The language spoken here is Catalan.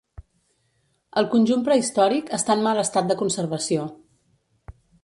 El conjunt prehistòric està en mal estat de conservació.